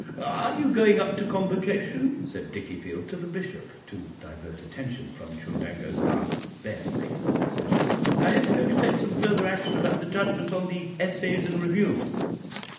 "Are you going up to Convocation?" said Dickiefield to the Bishop, to divert attention from Chundango's last barefaced assertion. "I hear they are going to take some further action about the judgment on the 'Essays and Reviews.'"